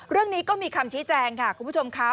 เรื่องนี้ก็มีคำชี้แจงค่ะคุณผู้ชมค่ะ